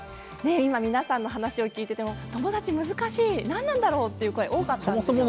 今、皆さんの話を聞いていて友達、難しい何なんだろうという声が多かったですよね。